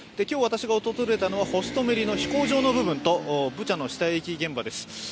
今日、私が訪れたのはホストメリの飛行場の部分とブチャの死体遺棄現場です。